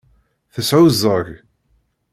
Tesɛuẓẓeg.